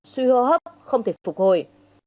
suy hô hấp không thể phục hồi